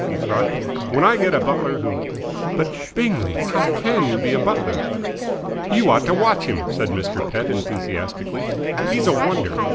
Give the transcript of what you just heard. he cried. "When I get a butler who " "But, Bingley! How can you be a butler?" "You ought to watch him!" said Mr. Pett enthusiastically. "He's a wonder!